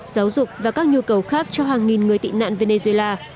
giáo dục và các nhu cầu khác cho hàng nghìn người tị nạn venezuela